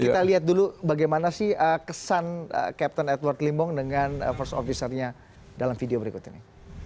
kita lihat dulu bagaimana sih kesan captain edward limbong dengan first officernya dalam video berikut ini